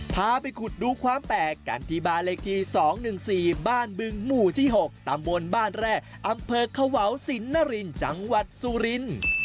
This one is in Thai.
พาไปขุดดูความแปลกกันที่บ้านเลขที่๒๑๔บ้านบึงหมู่ที่๖ตำบลบ้านแร่อำเภอขวาวสินนรินจังหวัดสุรินทร์